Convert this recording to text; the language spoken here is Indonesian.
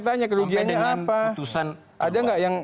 tanya kerugiannya apa putusan ada nggak yang